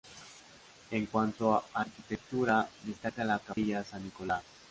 En cuanto a arquitectura destaca la Capilla San Nicolás.